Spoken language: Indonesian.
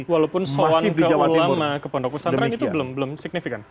walaupun soal keulama ke pondok pesantren itu belum signifikan